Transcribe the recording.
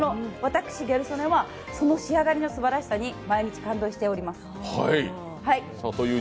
私、ギャル曽根は、その仕上がりのすばらしさに毎日感動しております。